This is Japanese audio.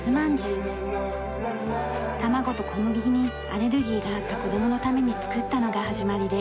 卵と小麦にアレルギーがあった子供のために作ったのが始まりで